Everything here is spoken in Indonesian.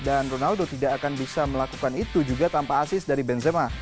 dan ronaldo tidak akan bisa melakukan itu juga tanpa asis dari benzema